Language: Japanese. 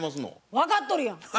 分かっとるやん。